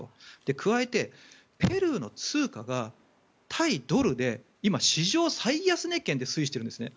加えて、ペルーの通貨が対ドルで今、史上最安値圏で推移しているんですね。